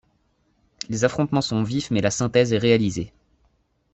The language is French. Les affrontements sont vifs mais la synthèse est réalisée.